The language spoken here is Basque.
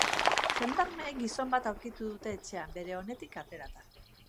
Jendarmeek gizon bat aurkitu dute etxean, bere onetik aterata.